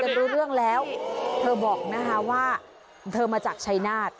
รู้เรื่องแล้วเธอบอกนะคะว่าเธอมาจากชายนาฏ